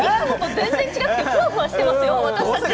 全然違っていてふわふわしていますよ。